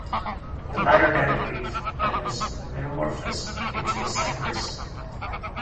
The latter died of grief, and was metamorphosed into a cypress.